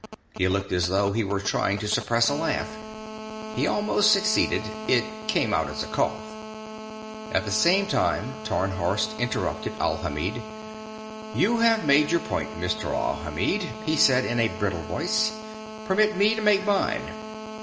He looked as though he were trying to suppress a laugh. He almost succeeded. It came out as a cough. At the same time, Tarnhorst interrupted Alhamid. "You have made your point, Mr. Alhamid," he said in a brittle voice. "Permit me to make mine.